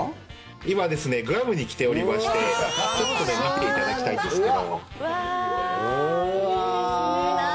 今グアムに来ておりましてちょっと見ていただきたいんですけど。